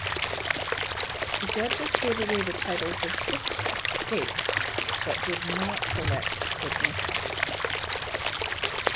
The judges gave away the titles of six states but did not select Sudnicka.